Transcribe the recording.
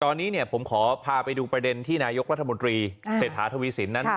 ตอนนี้ผมขอพาไปดูประเด็นที่นายกรัฐมนตรีเศรษฐาทวีสินนั้น